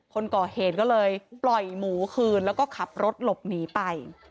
คนก่อเหตุก็เลยปล่อยหมูคืนแล้วก็ขับรถหลบหนีไป